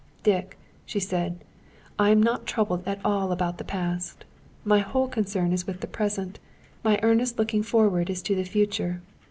"Dick," she said, "I am not troubled at all about the past. My whole concern is with the present; my earnest looking forward is to the future.